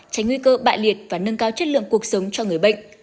tránh nguy cơ bại liệt và nâng cao chất lượng cuộc sống cho người bệnh